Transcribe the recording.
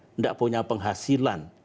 tidak punya penghasilan